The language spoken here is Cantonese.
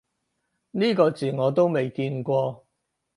呢個字我都未見過